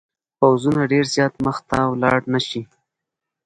پوځونه ډېر زیات مخته ولاړ نه شي.